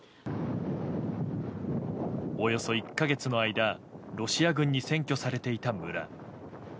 およそ１か月の間ロシア軍に占拠されていた村。